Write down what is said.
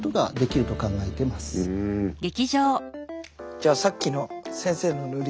じゃあさっきの先生の塗り方。